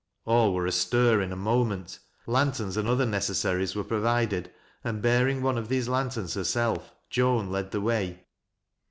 All were astir in a moment. Lanterns and other neces saries were provided, and beg 'ing one of these lanterns herself, Joan led the way.